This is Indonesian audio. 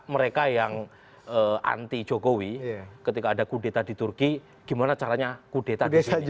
mereka yang anti jokowi ketika ada kudeta di turki gimana caranya kudeta di indonesia